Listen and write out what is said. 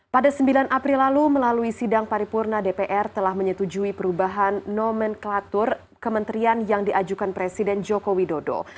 pada sembilan april lalu melalui sidang paripurna dpr telah menyetujui perubahan nomenklatur kementerian yang diajukan presiden joko widodo